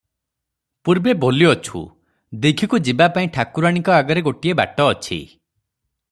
ପୂର୍ବେ ବୋଲିଅଛୁ; ଦୀଘିକୁ ଯିବାପାଇଁ ଠାକୁରାଣୀଙ୍କ ଆଗରେ ଗୋଟିଏ ବାଟ ଅଛି ।